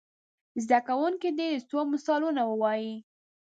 زده کوونکي دې څو مثالونه ووايي.